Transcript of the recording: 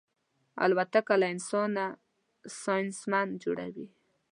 الوتکه له انسانه ساینسمن جوړوي.